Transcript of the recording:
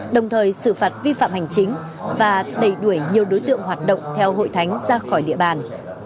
đồng thời xử phạt vi phạm hành chính và đẩy đuổi nhiều đối tượng hoạt động theo hội thánh ra khỏi địa bàn